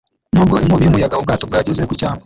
Nubwo inkubi y'umuyaga, ubwato bwageze ku cyambu.